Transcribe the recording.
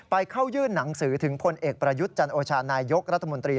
เข้ายื่นหนังสือถึงพลเอกประยุทธ์จันโอชานายยกรัฐมนตรี